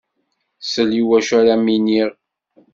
Sell i wacu ara m-iniɣ.